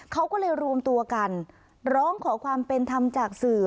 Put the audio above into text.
เขาก็เลยรวมตัวกันร้องขอความเป็นธรรมจากสื่อ